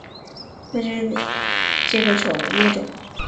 马氏新片盾介壳虫为盾介壳虫科新片盾介壳虫属下的一个种。